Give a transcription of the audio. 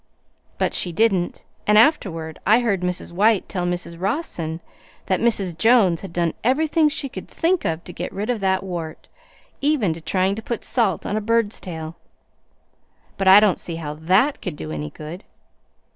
But she didn't, and afterwards I heard Mrs. White tell Mrs. Rawson that Mrs. Jones had done everything she could think of to get rid of that wart, even to trying to put salt on a bird's tail. But I don't see how THAT could do any good.